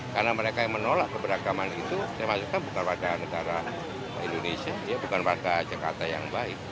karena mereka yang menolak keberagaman itu saya maksudkan bukan warga negara indonesia bukan warga jakarta yang baik